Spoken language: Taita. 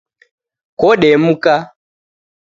Kodemka